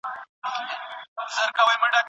بې له تا نه شاعري د درد کیسه ده